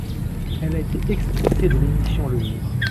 Elle a été expulsée de l'émission le Jour.